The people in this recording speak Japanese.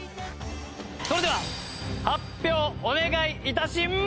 それでは発表お願い致します！